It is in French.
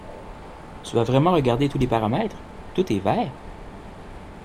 Tu as vraiment regardé tous les paramètres? Tout est vert ?